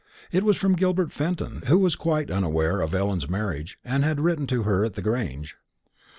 It was from Gilbert Fenton, who was quite unaware of Ellen's marriage, and had written to her at the Grange.